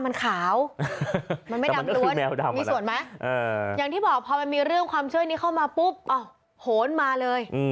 อย่างที่บอกพอมันมีเรื่องความช่วยนี้เข้ามาปุ๊บเอ้าโหนมาเลย